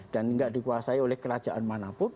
dan tidak dikuasai oleh kerajaan manapun